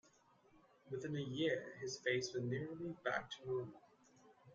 Within a year, his face was nearly back to normal.